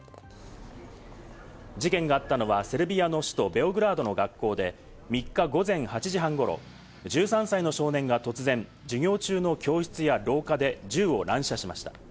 事件があったのはセルビアの首都ベオグラードの学校で３日午前８時半頃、１３歳の少年が突然、授業中の教室や廊下で銃を乱射しました。